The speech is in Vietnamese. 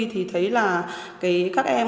thì thấy là các em